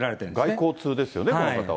外交通ですよね、この方は。